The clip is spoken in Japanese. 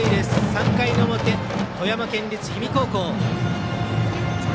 ３回の表、富山県立氷見高校。